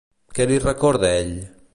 Què li recorda ell?